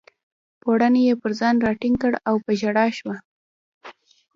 پوړنی یې پر ځان راټینګ کړ او په ژړا شوه.